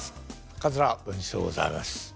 桂文枝でございます。